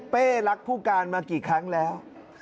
รักผู้การมากี่ครั้งแล้ว